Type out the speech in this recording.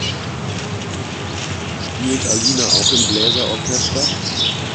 Spielt Alina auch im Bläser-Orchester?